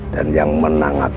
dan yang menang adalah aku